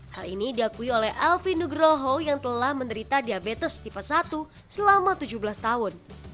hal ini diakui oleh alvin nugroho yang telah menderita diabetes tipe satu selama tujuh belas tahun